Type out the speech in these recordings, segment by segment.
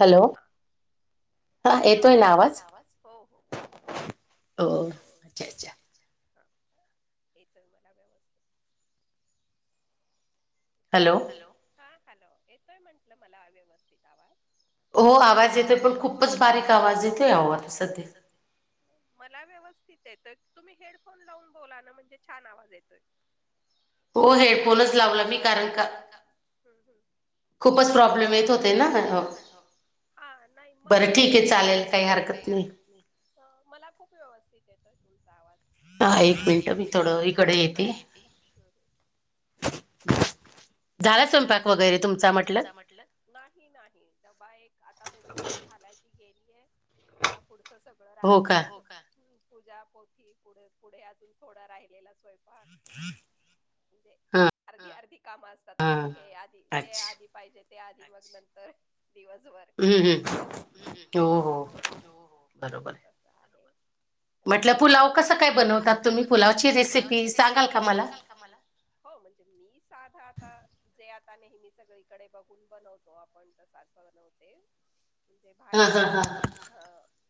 Hello येतोय येतोय ना आवाज हो हो हो अच्छा अच्छा हां येतोय मला व्यवस्थित हॅलो हॅलो हा हॅलो येतोय म्हंटलं मला अव्यवस्थित आवाज हो आवाज येते पण खूपच बारीक आवाज येते आवाज सध्या मला व्यवस्थित येतोय तुम्ही हेडफोन लावून बोला ना म्हणजे छान आवाज येतोय हो हेडफोनच लावला मी कारण कारण का खूपच प्रॉब्लेम येत होते ना हा नाही मग मला बरं ठीक आहे चालेल काही हरकत नाही ह मला खूप व्यवस्थित येतोय तुमचा आवाज हा एक मिनट मी थोडं इकडे येते झाला स्वयंपाक वगैरे तुमचा म्हटलं नाही नाही डबा एक आता मुलीचा झालायची गेलीय आता पुढचं सगळ राहिलं माझ पूजा पोथी पुढे पुढे अजून थोडा राहिलेला स्वयंपाक म्हे अर्ध अर्धी कामं असतात आपली हे आधी जे आधी पाहिजे ते आधी मग नंतर दिवसभर हम् ह् हो म्हटलं पुलाव कससा काय बनवतात तुम्ही पुलावची रेसिपी सांगाल का मला हो म्हणजे मी साधा आता जे आता नेहमी सगळीकडे बघून बनवतो आपण तसात बनवते म्हणजे भाज्या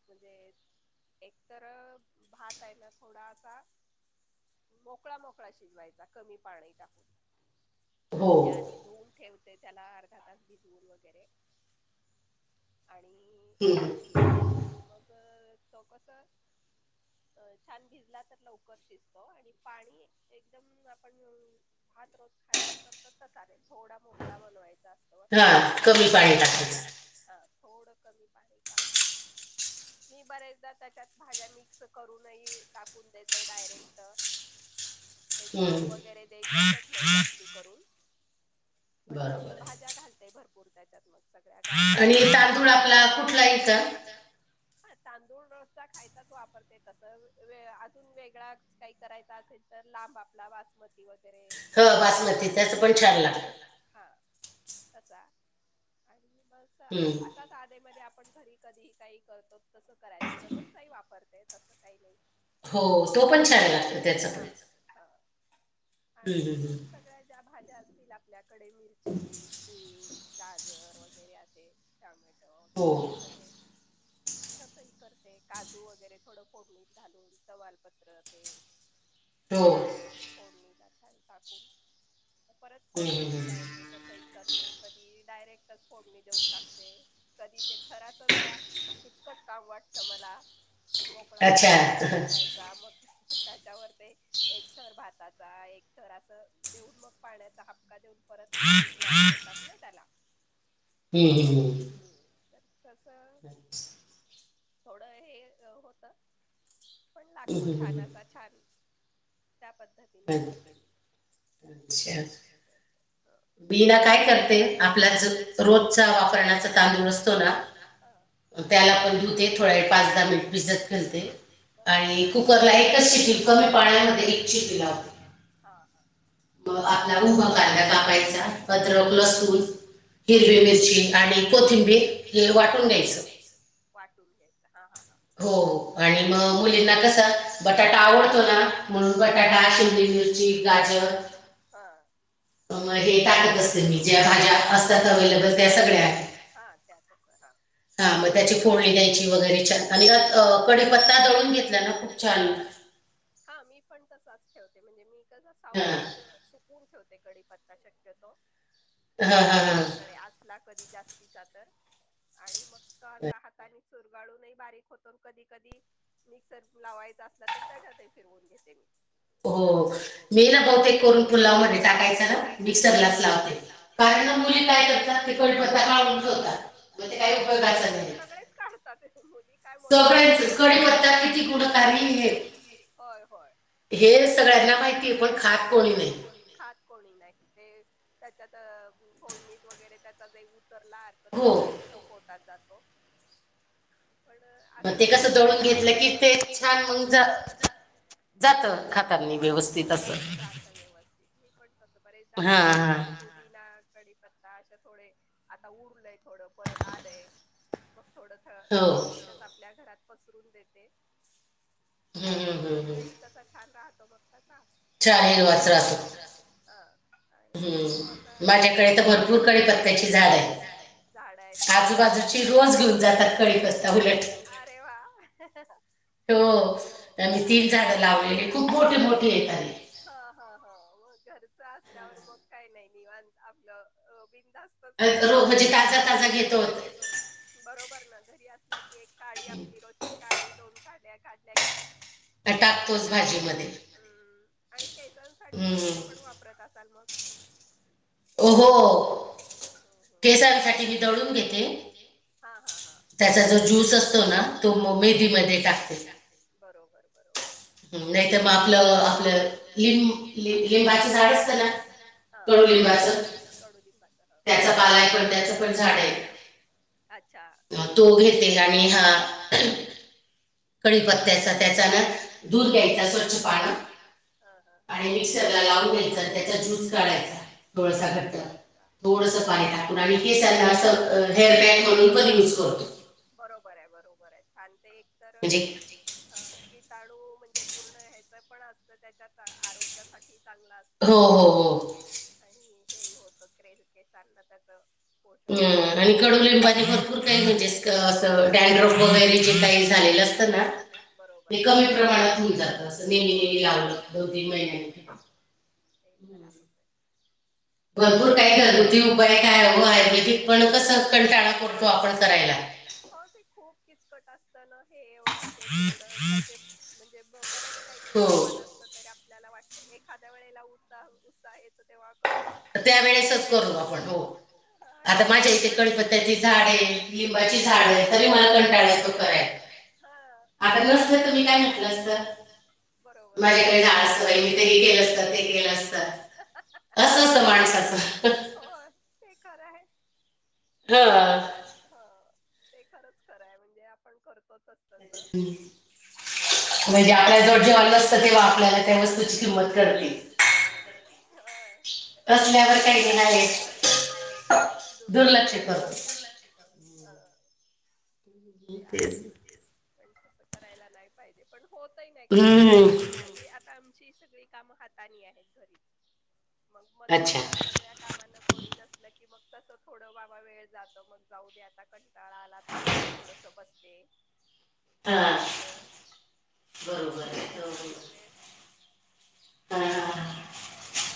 म्हणजे एकत भात आहे ना थोडा अस मोकळा मोकळा शिजवायचा कमी पाणी टाकून म्हणजे आधी धुवून ठेवते त्याला अर्धा तास भिजवून वगैरे आणि मग तो कस अ छान भिजला तर लवकर शिजतो आणि पाणी एकदम आपण भात रोज खायला करत तच कस चालेल थोडा मोकळा बनवायचा अस हा कमी पाणी टाकायचं थोडसच कमी पाणी टाकून मी बरेचदा त्याच्यात भाज्या म करून ही टाकून देत डायरेक्ट ते थर वगैरे बसत नाही जास्त करून पण भाज्या घालते भरपूर त्याच्यात म सगळ्या गाजर आणि तांदूळ आपला कुठला याचा हा तांदूळ रस्सा खायचाच वापर तस अजून वेगळा काही करायचा असेल तर लांब आपला वासमती वगैरे इ पण छान हा [unintelligible] तसा आणि मग असाच आधे मध्ये आपण घरी कधीही काही करतो तसं करायचं तर रोजचाही वापरते तसं काही नाही हो तो पण छान लागतो आणि मग सगळ्या ज्या भाज्या असतील आपल्याकडे मिरची बीन्स गाजर वगैरे असे चमुळेच [unintelligible] हो तसही करते काजू वगैरे थोडं फोडणीत घालून तमालपत्र ते हो फोडणीला छान टाकून परत फोडणी देता येते तसही करते कधी डायरेक्टच फोडणी देऊन टाकते कधी ते थराच जरा किचकट काम वाटत मला मोकळा मोकळा भात करायचा मग त्याच्यावर ते एक थर भाताचा एक थर असं देऊन मग पाण्याचा हपका देऊन परत एक वाफ घेतात ना त्याला तर तस थोडं हे होत पण लागतो छान असा छान त्या पद्धतीने करते मी मी ना काय करते आपल्याच रोजचा वापरण्याचा चालू असतो ना त्याला पण धुते थोड पाच दहा मिनिट भिजत घालते बरोबर आणि कुकरला एकच फ कमी पाण्यामध्ये एक चित लाव हा हा आपला उभं कांदा कापायचं म लसूण हिरवी मिरची आणि कोथिंबीर हे वाटून घ्यायचं वाटून घ्यायच ह ह ह हो आणि मग मुलींना कस बटाटा आवडतो ना बरो बटाटा हिरवी मिरची गाजर ह मग हे टाकत असते मी ज्या भाज्या असतात अवलेबल त्या सगळ्या त्या हा मग त्याची फोडनी द्यायची वगैरे आणि कडे पत्ता दळून घेतला उपचान [unintelligible] हा मी पण तसाच ठेवते म्हणजे मी कस सावलीत ठेवते कडी पत्ता शक्यतो आला कधी जास् तर आणि मग असा हाताने चूरगाळूनूनही बारीक होतो कधी कधी मिक्सर लावायचा असला तर त्या करते फिरवून घेते मी हो मी ना बहुतेक टाकायी सगलाच लावते कारण मु काय करतातत् ह कपत् सगळेच काढतात मुली काय मोठे काय होय होय हे सगळ्यांना माहितीय पण ख खात कोणी नाही ते त्याच्यात फोडणीत वगैरे त्याचा ज उतरला तेवढाच तो पोटात जातो पण असं मग म्हण कसं जोडून घेतलं की तेच छान म्हून जात ह जात खात जात व्यवस्थित मी पण तस बरेचदाा करते ला कडीपत्ता अशे थोडे आता उरलय थोड परत आलय मग थोड सावली तर आपल्या घरात पसरून देते आणि तो रंगही तसा छान राहतो बग तसा हीर वच राातो माझ्याकडे भरपूरकडे प्याची झाड आहे झाड आहेत का आजूबाजूची रोज घेऊन जातात ख रे वा हो आणि तीन जण लावले हे खूप मोठे मोठे हा हा हा मग घरच असल्यावर मग काही नाही निव आपलं बिंदत खाता येतो म्हणजे ताजा ताजा घेतो बरोबर ना घरी असला की एक काळी आपली रोजची काढ दोन काढ्या काढल्या की दातपोस भाजीला आणि केसांसाठी वगैरे पण वापरत असाल मग हो मीून घे त्याचा जो ज्यस अस बरोबर मधी म टाकते बरोबर बरोबर चांगलं आहे ते मग आपलं आपलं लिंबाची झाड असत ना ह तळू लिंबाच तळु लिंबाच त्याचा पाला आहे पण त्याच पण झाड आहे तो घेते आणि हा कळी पत्त्याच त्याच्यानं दूध घ्यायचा स्वचछ पानं आणि मिक्सर लावून घ्यायच त्याचा जूनस काढायचा थोडस तेधा हेअर म्हणून कधी करत बरोबर आहे बरोबर आहे छान ते एकत हा कीटाणू म्हणजे पूर्ण ह्याचं पण असत त्याच्यात आरोग्यासाठी चांगला असत आणि हे होत क्रेज के सन्न त्याच पोष वगैरे आणि कडू लिंबाे भरपूर काही म्हणजे असं डॅन रोप वगैरेचे काही प्र भरपूर काय घरगुती उपाय काय हो आहेै क कण कस कण टाळा कररतो आपण करायला हो ते खूप किचकट असत ना हे एवढं ते तेवढं ते म्हणजे बरंच काही काही सामान असत तरी आपल्याला वाटत एखाद्या वेळेला उसा उसा आहे तेव्हा कर त्यावेेळेसच करलो आपण आणि आ माझ्या इथे कळीपत्त्याची झाडे आहे जवाची झाड आहे तरी मला कंटाळा तो कराय नसत तुम्ही काय म्हटलंत बरोबर आहे असतय मी ते गेल असत ते गेलं असत कसं माणस हो ते खरं आहे तर ह ते खरंच खराय म्हणजे आपण करतोतच तस हम्म म्हणजे आपल्या जवळ जेव्हा न असत तेव्हा आपल्याला तेव किंमत करते आहे तेव्हा आपण दुर्लक्ष होत अ ते आहे ते पण तस करायला नाही े पण होत नाही कारण का आता आमची सगळी काम हात णी आहेत घरीच मग मदतीला सगळ्या कामा कोणी नसल की मग तस थोडं बाबा वेळ जात मग जाऊ दे्या आता ाळाला थकले थोडस बसते असं होतो तसं करून एक जातो वेळ ह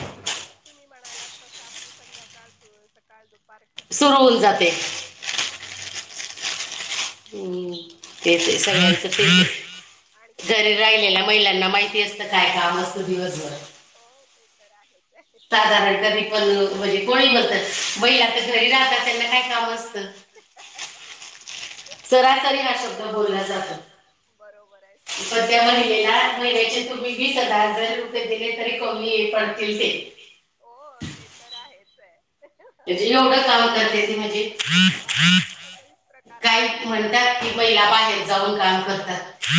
परत तुम्ही म्हणालात तस आपली संध्याकाळ सळ र काम जात चग आणखीन का राहिले महिलांना माहि काय काम असत दिस भर, हो ते तर आहेच आहे. साधारण तरी पण म्हणजे कोणी बणतात आता महिला घरी राहतात त्यांना काय काम असतं. [unintelligible] ते प बरोबर आहे सहजच बोलून तुम्ही वीस हजार हजार रुपये दिले तरी कमी पडतील. हो ते तर आहेच आहे. त्याची एवढं काम करते ती म्हणजे सगळीच प्रकार अस तात, म्हणतात की महिला बाहेर जाऊन काम करतात.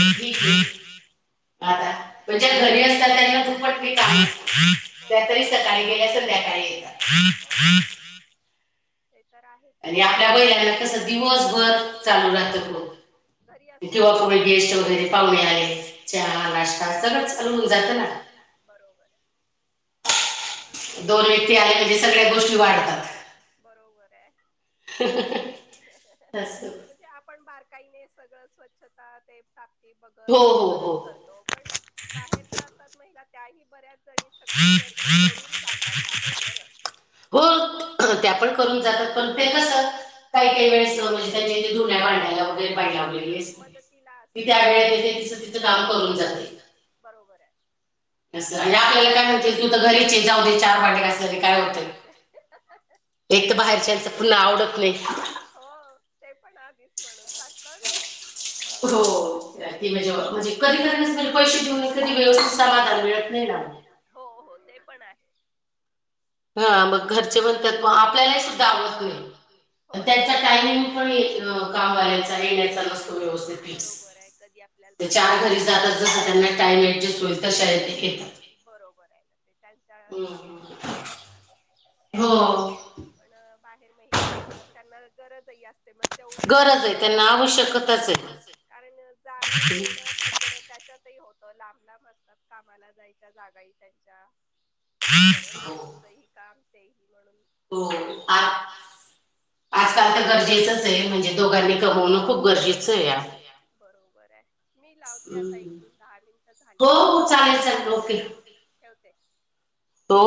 बरोबर आहे. ताई! [inaudible] ते तर आहेच आहे आणि कोण तरी, दिवसभर चालू राहतोय ग्रुप. जीव भावाचे पाहुणे वगैरे पाहुणेले. होय, बरोबर आहे. सगळ्या गोष्टी वाढतात, बरोबर आहे. तस ते आपण बारकाईने सगळ स्वच्छता ते टापटीप बघत हे करत करतो पण बाहेर ज्या असतात महिला त्याही बऱ्याच जणी सगळं करून जातात बाहेर बरं. हो त्या पण करून जातात पण ते कस काय काही वेळेस हो ना मदतीला असतं कोनी. बरोबर आहे. आणि आपल्या काय म्हणते घरीचे जाऊ दे चार भांडे घासायला काय होतय. एक तर बाहेरच्याचं पुन्हा आवडत नाही. हो ते पण आधीच म्हणून टाकतात. [inaudible] हो ते म्हणजे म्हणजे कधी कधी पैसे घेऊन कधी व्यवस्थित समाधान मिळत नाही ना. हो हो ते पण आहे. हा मग घरचे बण आपल्याला सुद्धा आवडत नाही त्यांचा टायमिंग बरोबर आहे कधी आपल्याला बाहेर जातात जसं त्यांना टाईम ॲडजस्ट होईल तस ते त्यांच्या कामाप्रमाणे करत वेळेत. पण बाहेर महिला करतात त्यांना गरजही असते मग तेवढं बीर आहे त्यांना कारण जाणं येण त्याच्यातही होत लांब लांब असतात कामाला जायच्या जागाही त्यांच्या. परत घरचही काम तेही म्हणून दोन्ही होत. आजकाल तर गरजेचच आहे म्हणजे दोघांनी कमवणं खूप गरजेचं आहे, बरोबर आहे. मी लावते आता इकडून दहा मिनिटं झालीयत ठेवते. हो!